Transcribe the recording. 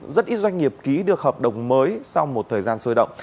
rất ít doanh nghiệp ký được hợp đồng mới sau một thời gian sôi động